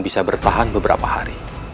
dia akan bisa bertahan beberapa hari